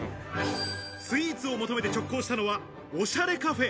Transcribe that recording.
スイーツを求めて直行したのは、おしゃれカフェ。